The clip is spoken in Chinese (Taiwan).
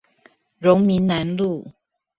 榮民南路